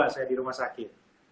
saya di rumah sakit